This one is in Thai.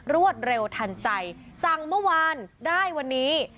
รวดเร็วทันใจสั่งเมื่อวานได้วันนี้